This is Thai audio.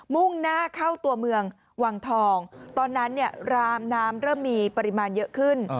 มุ่งหน้าเข้าตัวเมืองวังทองตอนนั้นเนี่ยรามน้ำเริ่มมีปริมาณเยอะขึ้น